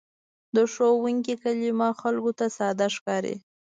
د ښوونکي کلمه خلکو ته ساده ښکاري.